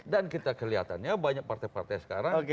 dan kita kelihatannya banyak partai partai sekarang